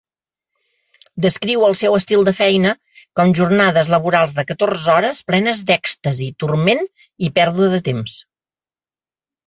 Descriu el seu estil de feina com jornades laborals de catorze hores plenes d'èxtasi, turment i pèrdua de temps.